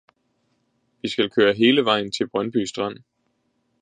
Vi skal køre hele vejen til Brøndby Strand